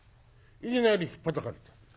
いきなりひっぱたかれた。